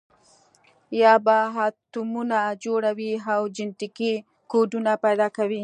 یا به اتمونه جوړوي او جنټیکي کوډونه پیدا کوي.